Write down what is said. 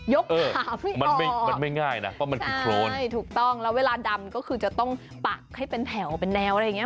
ยกขาไม่ออกใช่ถูกต้องแล้วเวลาดำก็คือจะต้องปักให้เป็นแผ่วเป็นแนวอะไรอย่างนี้